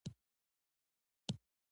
ولایتونه د افغان تاریخ په کتابونو کې شته.